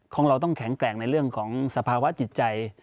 ของเราต้องแข็งแกร่งในเรื่องของสภาวะจิตใจ